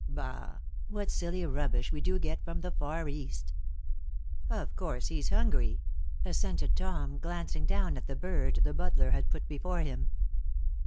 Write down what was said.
Bah! what silly rubbish we do get from the far East! "Of course he's hungry," assented Tom, glancing down at a bird the butler had put before him.